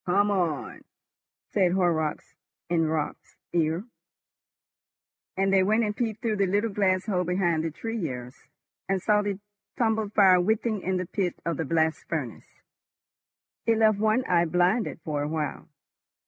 "Come on," said Horrocks in Raut's ear, and they went and peeped through the little glass hole behind the tuyeres, and saw the tumbled fire writhing in the pit of the blast furnace. It left one eye blinded for a while.